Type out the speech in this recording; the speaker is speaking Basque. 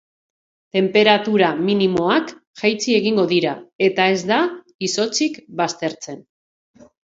Tenperatura minimoak jaitsi egingo dira eta ez da izotzik baztertzen.